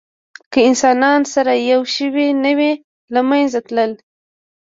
که انسانان سره یو شوي نه وی، له منځه تلل.